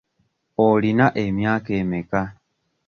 Olina emyaka emeka?